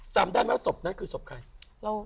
จำได้มั้ยว่าสบนั้นคือสบใคร